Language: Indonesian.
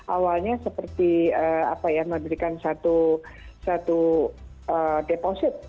awalnya seperti memberikan satu deposit